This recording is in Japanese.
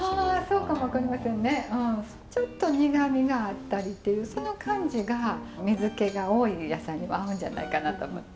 うんちょっと苦みがあったりっていうその感じが水気が多い野菜には合うんじゃないかなと思って。